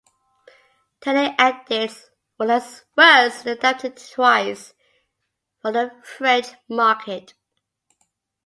Telly Addicts was adapted twice for the French market.